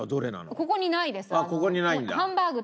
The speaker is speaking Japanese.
ここにないんだ。